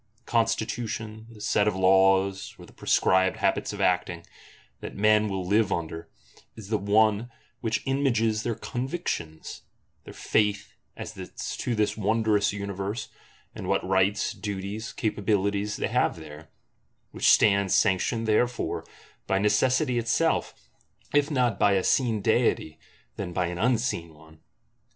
The Constitution, the set of Laws, or prescribed Habits of Acting, that men will live under, is the one which images their Convictions,—their Faith as to this wondrous Universe, and what rights, duties, capabilities they have there; which stands sanctioned therefore, by Necessity itself, if not by a seen Deity, then by an unseen one.